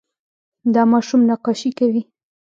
دا ماشوم نقاشي کوي.